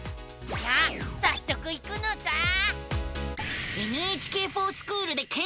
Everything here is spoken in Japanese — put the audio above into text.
さあさっそく行くのさあ。